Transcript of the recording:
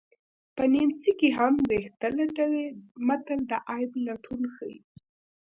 په نیمڅي کې هم ویښته لټوي متل د عیب لټون ښيي